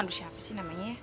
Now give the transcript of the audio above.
aduh siapa sih namanya